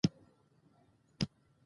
جلګه د افغانستان د پوهنې نصاب کې شامل دي.